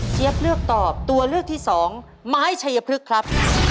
เลือกตอบตัวเลือกที่สองไม้ชัยพฤกษ์ครับ